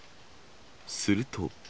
すると。